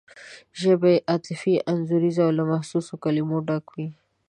ژبه یې عاطفي انځوریزه او له محسوسو کلمو ډکه وي.